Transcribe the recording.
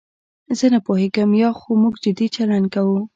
زه نه پوهېږم یا خو موږ جدي چلند کوو.